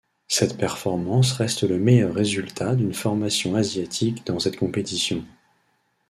Cette performance reste le meilleur résultat d'une formation asiatique dans cette compétition.